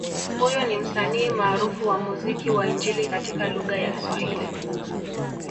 Huyu ni msanii maarufu wa muziki wa Injili katika lugha ya swahili